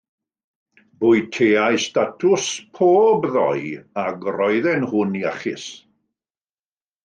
Bwyteais datws pob ddoe ac roedden nhw'n iachus.